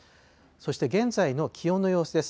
そして現在の気温の様子です。